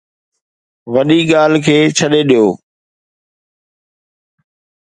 وڏي ڳالهه کي ڇڏي ڏيو